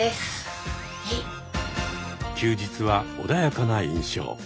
休日は穏やかな印象。